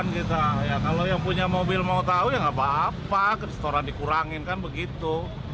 kalau yang punya mobil mau tahu ya nggak apa apa setoran dikurangin kan begitu